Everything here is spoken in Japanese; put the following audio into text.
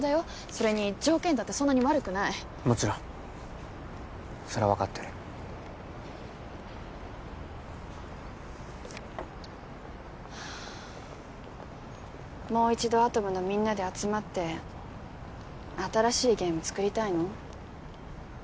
それに条件だってそんなに悪くないもちろんそれはわかってるはあもう一度アトムのみんなで集まって新しいゲーム作りたいの？